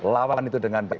lawan itu dengan baik